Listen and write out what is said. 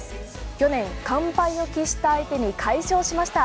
去年、完敗を喫した相手に快勝しました。